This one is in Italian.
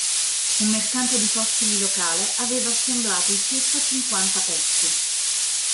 Un mercante di fossili locale aveva assemblato i circa cinquanta pezzi.